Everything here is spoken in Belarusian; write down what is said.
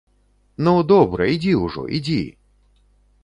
Ну, добра, ідзі ўжо, ідзі!